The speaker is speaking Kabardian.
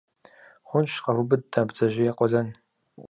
– Хъунщ. Къэвубыд-тӀэ бдзэжьей къуэлэн.